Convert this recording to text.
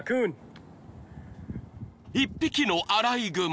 ［１匹のアライグマ］